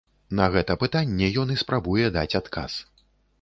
На гэта пытанне ён і спрабуе даць адказ.